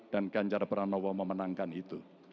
dan ganjar pranowo memenangkan itu